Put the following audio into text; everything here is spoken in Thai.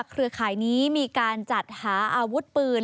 เครือข่ายนี้มีการจัดหาอาวุธปืน